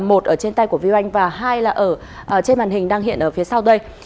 một ở trên tay của viu anh và hai là trên màn hình đang hiện ở phía sau đây